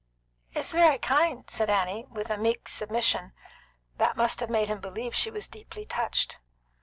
"It is very kind," said Annie, with a meek submission that must have made him believe she was deeply touched.